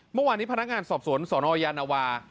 เมื่อวานนี้พนักงานสอบสวนสนยานวา